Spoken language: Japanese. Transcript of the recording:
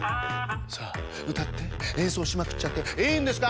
さあうたってえんそうしまくっちゃっていいんですか？